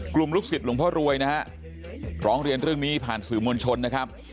ลูกศิษย์หลวงพ่อรวยนะฮะร้องเรียนเรื่องนี้ผ่านสื่อมวลชนนะครับ